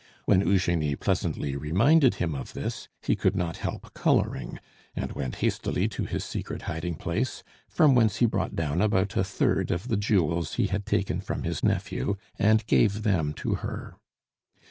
When Eugenie pleasantly reminded him of this, he could not help coloring, and went hastily to his secret hiding place, from whence he brought down about a third of the jewels he had taken from his nephew, and gave them to her.